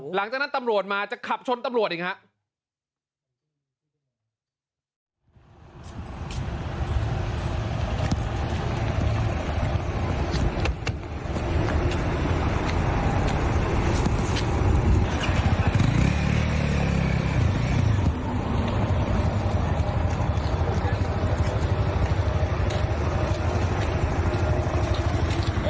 หลังจากนั้นตำรวจมาจะขับชนตำรวจอีกครับ